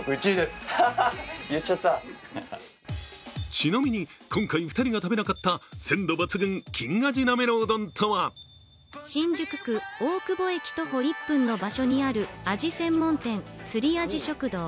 ちなみに、今回２人が食べなかった鮮度抜群、金アジなめろう丼とは新宿区大久保駅徒歩１分の場所にあるアジ専門店・釣りあじ食堂。